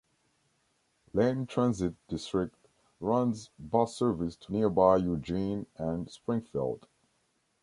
Lane Transit District runs bus service to nearby Eugene and Springfield.